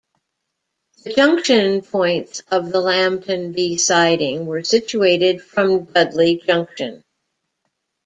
The junction points of the Lambton B siding were situated from Dudley Junction.